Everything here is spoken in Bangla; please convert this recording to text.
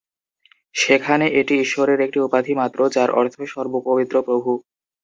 সেখানে এটি ঈশ্বরের একটি উপাধি-মাত্র, যার অর্থ "সর্ব-পবিত্র প্রভু"।